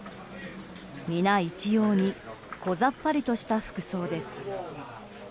皆一様にこざっぱりとした服装です。